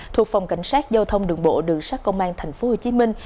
thuộc phòng cảnh sát giao thông đường bộ đường sát công an thành phố hồ chí minh